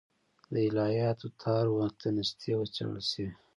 د الهیاتو تار و تنستې وڅېړل شي.